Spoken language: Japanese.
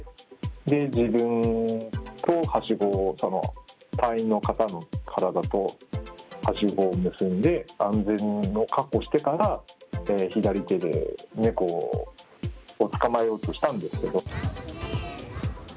で、自分とはしごを隊員の方の体とはしごを結んで、安全を確保してから、左手で猫を捕まえようとしたんですけど。